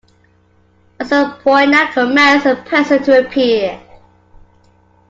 A "subpoena" commands a person to appear.